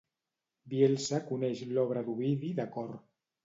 Bielsa coneix l'obra d'Ovidi de cor.